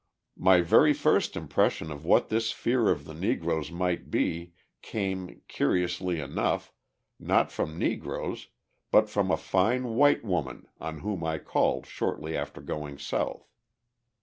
My very first impression of what this fear of the Negroes might be came, curiously enough, not from Negroes but from a fine white woman on whom I called shortly after going South.